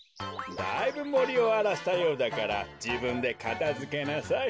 だいぶもりをあらしたようだからじぶんでかたづけなさい。